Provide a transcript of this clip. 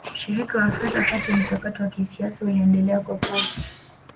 Ushiriki wa Afrika katika mchakato wa kisiasa uliendelea kwa kasi